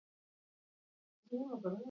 Hala ere, bere argudioak okerrak izan ziren.